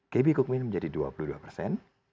kb kukmin menjadi dua puluh dua persen